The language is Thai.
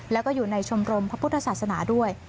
แล้วก็อยู่ในชมรมพระพุทธศาสนาด้วย